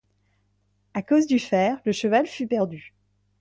À cause du fer, le cheval fut perdu.